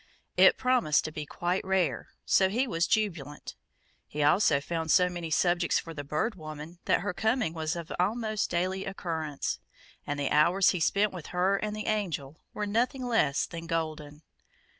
It promised to be quite rare, so he was jubilant. He also found so many subjects for the Bird Woman that her coming was of almost daily occurrence, and the hours he spent with her and the Angel were nothing less than golden.